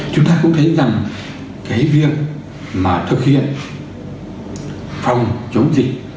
chúng ta cũng thấy rằng cái việc mà thực hiện phòng chống dịch